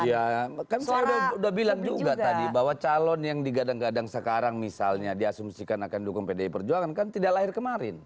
iya kan saya udah bilang juga tadi bahwa calon yang digadang gadang sekarang misalnya diasumsikan akan dukung pdi perjuangan kan tidak lahir kemarin